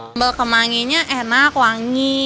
sambal kemanginya enak wangi